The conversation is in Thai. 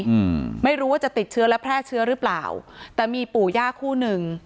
อืมไม่รู้ว่าจะติดเชื้อและแพร่เชื้อหรือเปล่าแต่มีปู่ย่าคู่หนึ่ง